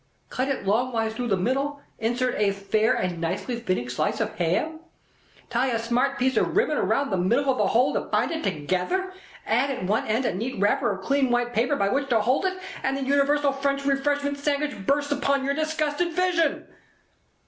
Cut it longwise through the middle. Insert a fair and nicely fitting slice of ham. Tie a smart piece of ribbon round the middle of the whole to bind it together. Add at one end a neat wrapper of clean white paper by which to hold it. And the universal French Refreshment sangwich busts on your disgusted vision."